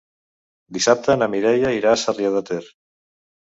Dissabte na Mireia irà a Sarrià de Ter.